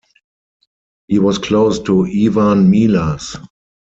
He was close to Ivan Milas.